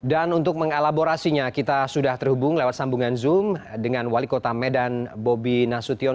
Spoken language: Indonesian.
dan untuk mengelaborasinya kita sudah terhubung lewat sambungan zoom dengan wali kota medan bobi nasution